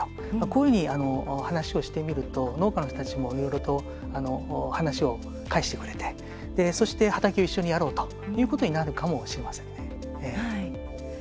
こういうふうに話をしてみると農家の人たちもいろいろと、話を返してくれてそして、畑を一緒にやろうということになるかもしれません。